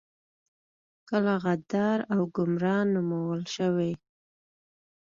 کله غدار او ګمرا نومول شوي.